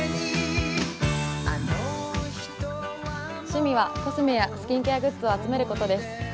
趣味はコスメやスキンケアグッズを集めることです。